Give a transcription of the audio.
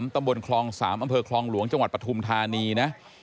ตำบลคลอง๓อำเภอคลองหลวงจังหวัดปฐุมธานีนะ